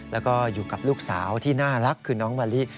แล้วก็อยู่กับลูกสาวที่น่ารักคือน้องมะลิ